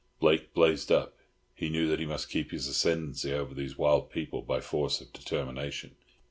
Blake blazed up. He knew that he must keep his ascendancy over these wild people by force of determination.